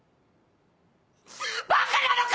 バカなのか！